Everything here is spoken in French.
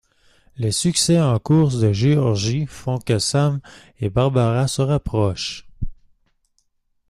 Les succès en course de Georgie font que Sam et Barbara se rapprochent.